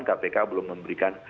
kpk belum memberikan